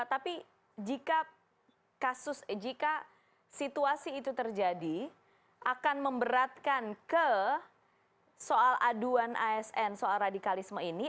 tapi jika situasi itu terjadi akan memberatkan ke soal aduan asn soal radikalisme ini